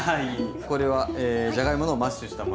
これはじゃがいものマッシュしたもの？